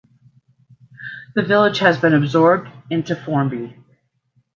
The village has been absorbed into Formby.